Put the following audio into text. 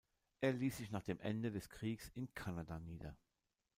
Er ließ sich nach dem Ende des Kriegs in Kanada nieder.